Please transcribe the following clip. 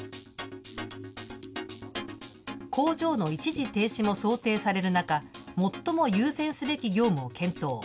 工場の一時停止も想定される中、最も優先すべき業務を検討。